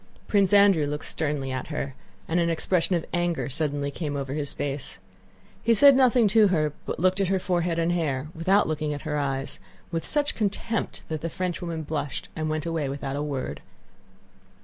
Prince Andrew looked sternly at her and an expression of anger suddenly came over his face. He said nothing to her but looked at her forehead and hair, without looking at her eyes, with such contempt that the Frenchwoman blushed and went away without a word.